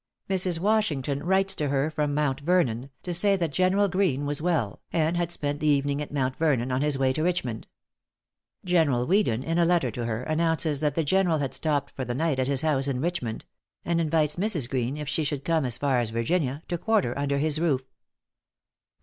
Mrs. Washington writes to her from Mount Vernon, to say that General Greene was well, and had spent the evening at Mount Vernon, on his way to Richmond. General Weedon, in a letter to her, announces that the General had stopped for the night at his house in Richmond; and invites Mrs. Greene, if she should come as far as Virginia, to quarter under his roof.